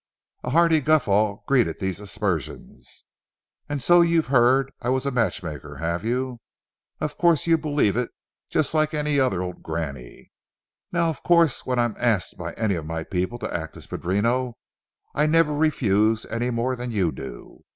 A hearty guffaw greeted these aspersions. "And so you've heard I was a matchmaker, have you? Of course, you believed it just like any other old granny. Now, of course, when I'm asked by any of my people to act as padrino, I never refuse any more than you do.